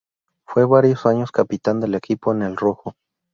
Fue varios años capitán del equipo en el rojo.